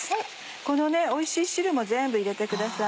このおいしい汁も全部入れてください。